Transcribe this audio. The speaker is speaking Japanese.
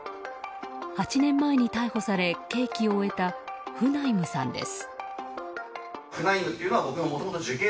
８年前に逮捕され、刑期を終えたフナイムさんです。